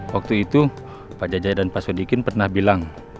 waktu itu pak jajah dan pak sudikin pernah bilang